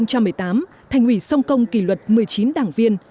năm hai nghìn một mươi tám thành ủy song công kỳ luật một mươi chín đảng viên